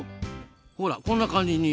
ほらこんな感じに。